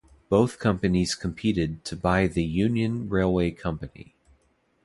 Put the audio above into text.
Both companies competed to buy the Union Railway Company.